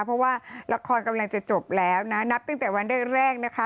เพราะว่าละครกำลังจะจบแล้วนะนับตั้งแต่วันแรกนะคะ